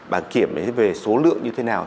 bảng kiểm về số lượng như thế nào